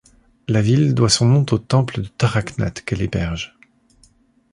La ville doit son nom au temple de Taraknath qu’elle héberge.